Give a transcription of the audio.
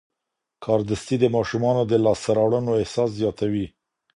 کاردستي د ماشومانو د لاسته راوړنو احساس زیاتوي.